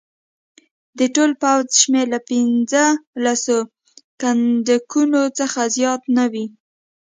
د ټول پوځ شمېر له پنځه لسو کنډکو څخه زیات نه وي.